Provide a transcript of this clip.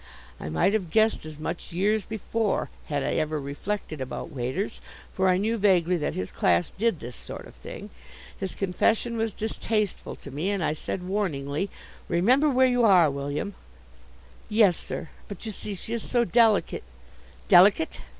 I might have guessed as much years before had I ever reflected about waiters, for I knew vaguely that his class did this sort of thing. His confession was distasteful to me, and I said, warningly: "Remember where you are, William." "Yes, sir; but, you see, she is so delicate " "Delicate!